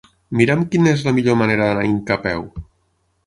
Mira'm quina és la millor manera d'anar a Inca a peu.